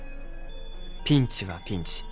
ピンチはピンチ。